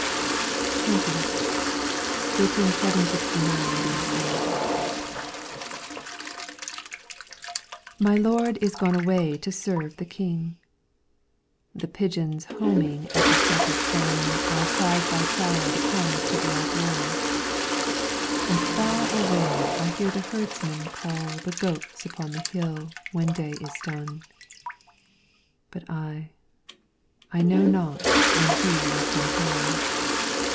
22 LYRICS FROM THE CHINESE XX Written 769 b.c. My lord is gone away to serve the King. The pigeons homing at the set of sun Are side by side upon the courtyard wall, And far away I hear the herdsmen call The goats upon the hill when day is done. But I, I know not when he will come home.